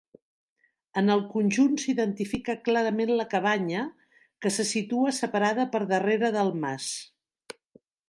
En el conjunt s'identifica clarament la cabanya, que se situa separada per darrere del mas.